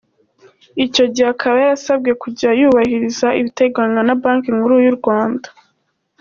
Icyo gihe akaba yarasabwe kujya yubahiriza ibiteganywa na Banki Nkuru y’u Rwanda.